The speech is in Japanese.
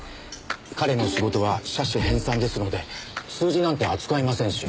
彼の仕事は社史編纂ですので数字なんて扱いませんし。